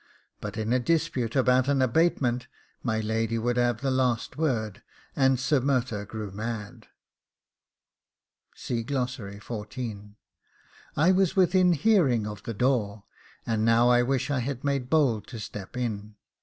But in a dispute about an abatement my lady would have the last word, and Sir Murtagh grew mad; I was within hearing of the door, and now I wish I had made bold to step in.